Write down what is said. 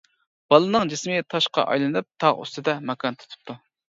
بالىنىڭ جىسمى تاشقا ئايلىنىپ، تاغ ئۈستىدە ماكان تۇتۇپتۇ.